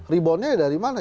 reboundnya dari mana